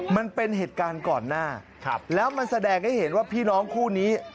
มันเป็นเหตุการณ์ก่อนหน้าแล้วมันแสดงให้เห็นว่าพี่น้องคู่นี้